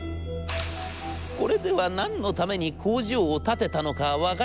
これでは何のために工場を建てたのか分からない。